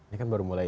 ini kan baru mulai